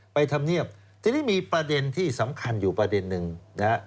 ธรรมเนียบทีนี้มีประเด็นที่สำคัญอยู่ประเด็นหนึ่งนะฮะ